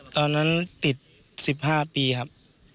ตอนนั้นติด๑๕ปีครับ